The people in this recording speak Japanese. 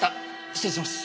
失礼します。